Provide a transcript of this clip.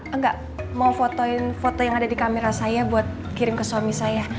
enggak mau fotoin foto yang ada di kamera saya buat kirim ke suami saya